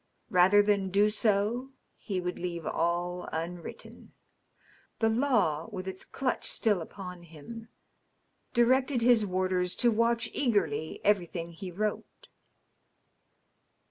Rather than do so he would leave all unwritten. The law, with its clutch still upon him, directed his warders to watch eagerly everything he wrote.